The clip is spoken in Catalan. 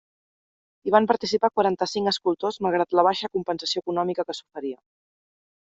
Hi van participar quaranta-cinc escultors malgrat la baixa compensació econòmica que s'oferia.